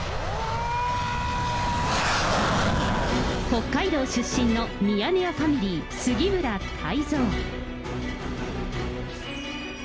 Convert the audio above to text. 北海道出身のミヤネ屋ファミリー、杉村太蔵。